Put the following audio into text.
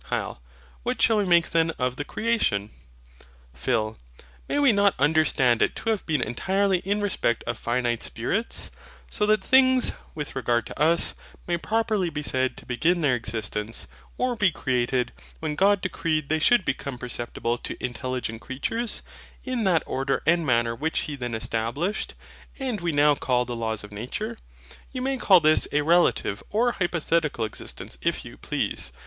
HYL. What shall we make then of the creation? PHIL. May we not understand it to have been entirely in respect of finite spirits; so that things, with regard to us, may properly be said to begin their existence, or be created, when God decreed they should become perceptible to intelligent creatures, in that order and manner which He then established, and we now call the laws of nature? You may call this a RELATIVE, or HYPOTHETICAL EXISTENCE if you please.